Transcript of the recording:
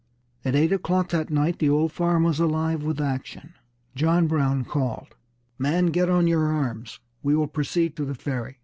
At eight o'clock that night the old farm was alive with action. John Brown called: "Men, get on your arms; we will proceed to the Ferry."